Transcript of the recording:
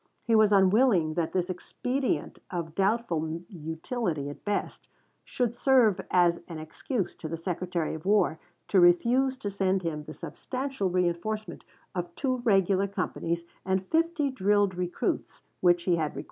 He was unwilling that this expedient, of doubtful utility at best, should serve as an excuse to the Secretary of War to refuse to send him the substantial reënforcement of two regular companies and fifty drilled recruits which he had requested.